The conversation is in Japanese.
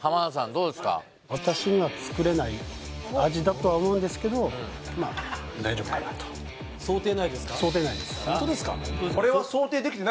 どうですか私には作れない味だとは思うんですけどまあ大丈夫かなと・ホントですか？